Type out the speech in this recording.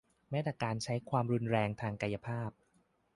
แม้แต่การใช้ความรุนแรงทางกายภาพ